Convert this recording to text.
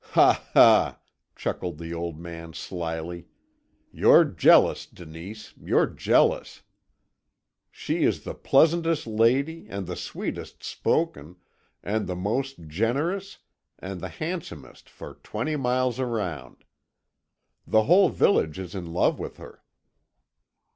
"Ha, ha!" chuckled the old man slyly. "You're jealous, Denise, you're jealous! She is the pleasantest lady, and the sweetest spoken, and the most generous, and the handsomest, for twenty miles round. The whole village is in love with her."